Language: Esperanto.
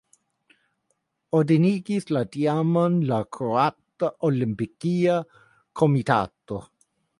Kunordigis la teamon la Kroata Olimpika Komitato.